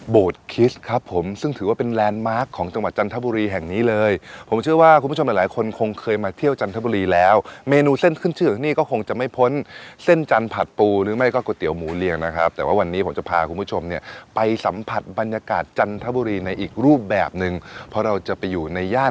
คิสครับผมซึ่งถือว่าเป็นแลนด์มาร์คของจังหวัดจันทบุรีแห่งนี้เลยผมเชื่อว่าคุณผู้ชมหลายหลายคนคงเคยมาเที่ยวจันทบุรีแล้วเมนูเส้นขึ้นชื่อของนี่ก็คงจะไม่พ้นเส้นจันทร์ผัดปูหรือไม่ก็ก๋วยเตี๋ยวหมูเรียงนะครับแต่ว่าวันนี้ผมจะพาคุณผู้ชมเนี่ยไปสัมผัสบรรยากาศจันทบุรีในอีกรูปแบบหนึ่งเพราะเราจะไปอยู่ในย่าน